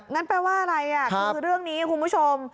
งั้นแปลว่าอะไรคือเรื่องนี้คุณผู้ชม